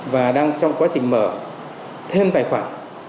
và đang trong quá trình mở thêm tài khoản